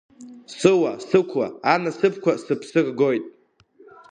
Сыуа-сықәла, анасыԥқәа сыԥсы ргоит.